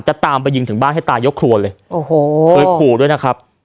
ตามไปยิงถึงบ้านให้ตายยกครัวเลยโอ้โหเคยขู่ด้วยนะครับ